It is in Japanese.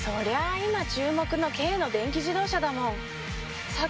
今注目の軽の電気自動車だもん。